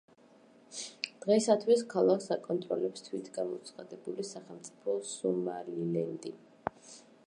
დღეისათვის ქალაქს აკონტროლებს თვითგამოცხადებული სახელმწიფო სომალილენდი.